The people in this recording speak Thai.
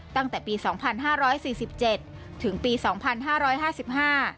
ตั้งแต่ปีสองพันห้าร้อยสี่สิบเจ็ดถึงปีสองพันห้าร้อยห้าสิบห้า